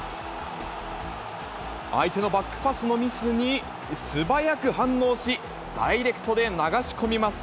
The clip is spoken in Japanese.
相手のバックパスのミスに、素早く反応し、ダイレクトで流し込みます。